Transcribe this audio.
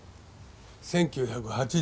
１９８８年。